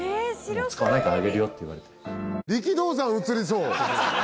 もう使わないからあげるよって言われて。